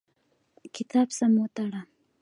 کتاب سم وتړه.